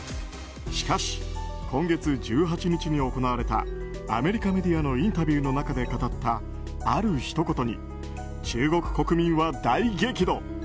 しかし、今月１８日に行われたアメリカメディアのインタビューの中で語ったある、ひと言に中国国民は、大激怒。